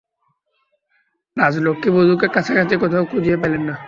রাজলক্ষ্মী বধূকে কাছাকাছি কোথাও খুঁজিয়া পাইলেন না।